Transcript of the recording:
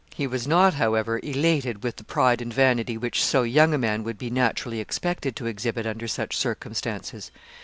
He was not, however, elated with the pride and vanity which so young a man would be naturally expected to exhibit under such circumstances.